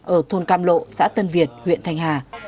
ở thôn cam lộ xã tân việt huyện thanh hà